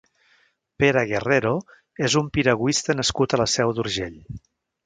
Pere Guerrero és un piragüista nascut a la Seu d'Urgell.